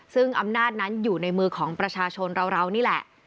ซึ่งอำนาจนั้นอยู่ในมือของประชาชนเรานี่แหละ